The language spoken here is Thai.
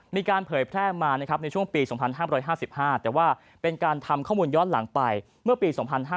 เผยแพร่มานะครับในช่วงปี๒๕๕๕แต่ว่าเป็นการทำข้อมูลย้อนหลังไปเมื่อปี๒๕๕๙